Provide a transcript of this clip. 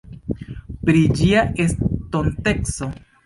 Pri Ĝia estonteco?